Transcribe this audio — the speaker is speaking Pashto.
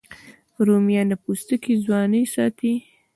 رومیان د پوستکي ځواني ساتي